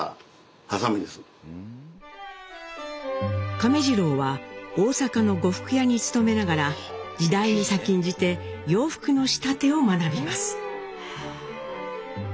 亀治郎は大阪の呉服屋に勤めながら時代に先んじて洋服の仕立てを学びます。